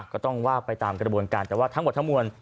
ก็ต้องว่าไปตามกระบวนการแต่ว่าทั้งหมดทั้งมวล